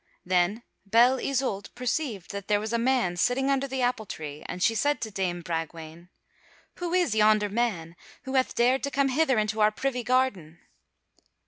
Then Belle Isoult perceived that there was a man sitting under the appletree, and she said to dame Bragwaine: "Who is yonder man who hath dared to come hither into our privy garden?"